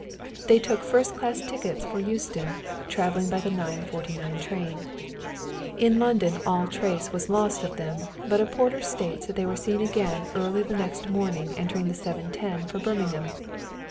They took first class tickets for Euston, travelling by the 9.49 train. In London all trace was lost of them, but a porter states that they were seen again early the next morning entering the 7.10 for Birmingham.